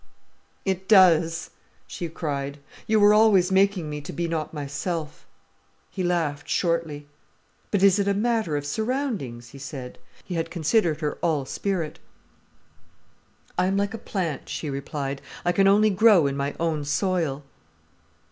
"It does," she cried. "You were always making me to be not myself." He laughed shortly. "But is it a matter of surroundings?" he said. He had considered her all spirit. "I am like a plant," she replied. "I can only grow in my own soil."